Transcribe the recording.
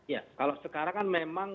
ya kalau sekarang kan memang